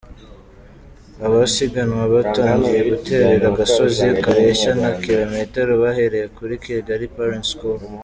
Abasiganwa batangiye guterera agasozi kareshya na kilometero bahereye kuri Kigali Parents School.